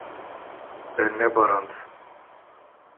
Te nebarand.